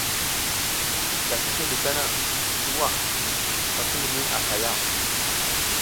Da ki slo li tana, tuwa ɓa ki limiy a hay a.